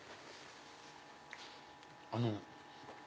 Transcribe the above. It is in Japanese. あの。